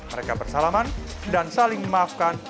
mereka bersalaman dan saling memaafkan